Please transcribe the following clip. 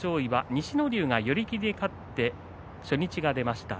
西乃龍が寄り切りで勝って初日が出ました。